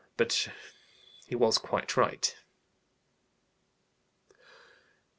But he was quite right."